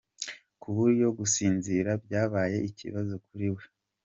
kuburyo gusinzira byabaye ikibazo kuri we.